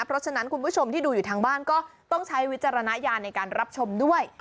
เพราะฉะนั้นคุณผู้ชมที่ดูอยู่ทางบ้านก็ต้องใช้วิจารณญาณในการรับชมด้วย